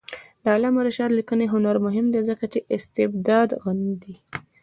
د علامه رشاد لیکنی هنر مهم دی ځکه چې استبداد غندي.